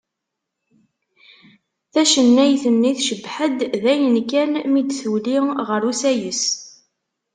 Tacennayt-nni tcebbeḥ-d dayen kan mi d-tuli ɣer usayes.